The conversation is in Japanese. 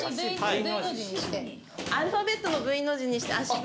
アルファベットのＶの字にして足踏みします。